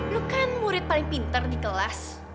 lo kan murid paling pintar di kelas